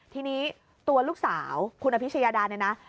ทีนี้ตัวลูกสาวคุณอภิชยาดาเนี่ยนะ